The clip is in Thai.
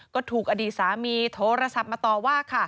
ก็ถูกอดีตสามีโทรศัพท์มาต่อว่าค่ะ